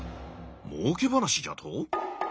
もうけ話じゃと？